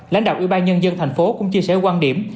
lãnh đạo ủy ban nhân dân tp hcm cũng chia sẻ quan điểm